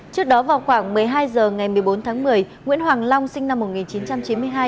trước đó vào khoảng một mươi hai h ngày một mươi bốn tháng một mươi nguyễn hoàng long sinh năm một nghìn chín trăm chín mươi hai